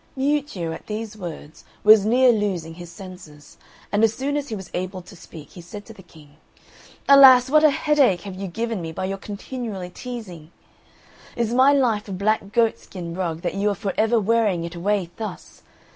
Miuccio at these words was near losing his senses, and as soon as he was able to speak, he said to the King, "Alas, what a headache have you given me by your continual teasing! Is my life a black goat skin rug that you are for ever wearing it away thus?